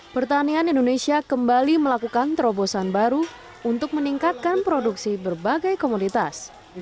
pertanian indonesia kembali melakukan terobosan baru untuk meningkatkan produksi berbagai komunitas